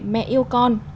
mẹ yêu con